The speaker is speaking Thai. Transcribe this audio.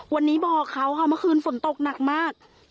วันนี้บอกเขาค่ะเมื่อคืนฝนตกหนักมาก